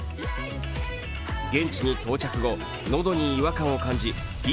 現地に到着後、喉に違和感を感じ